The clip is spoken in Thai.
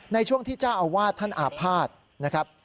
ในช่วงที่เจ้าอาวาสท่านอาภาษณ์นะครับ